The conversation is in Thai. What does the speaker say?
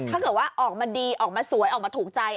ถ้าเกิดว่าออกมาดีออกมาสวยออกมาถูกใจ